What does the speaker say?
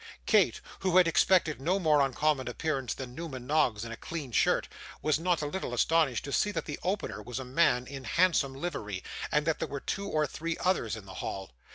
Kate, who had expected no more uncommon appearance than Newman Noggs in a clean shirt, was not a little astonished to see that the opener was a man in handsome livery, and that there were two or three others in the hall.